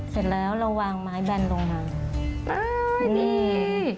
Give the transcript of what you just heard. เสร็จแล้วเราวางไม้แบนตรงนั้น